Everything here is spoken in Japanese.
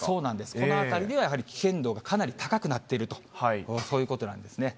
この辺りではやはり、危険度がかなり高くなっていると、そういうことなんですね。